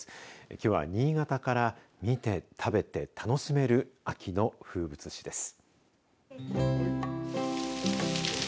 きょうは新潟から見て、食べて、楽しめる秋の風物詩です。